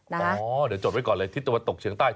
อ๋อเดี๋ยวจดไว้ก่อนเลยทิศตะวันตกเฉียงใต้